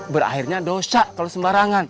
berakhirnya dosa kalau sembarangan